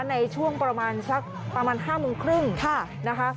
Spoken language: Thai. ในช่วงประมาณสักประมาณ๕๓๐นะคะ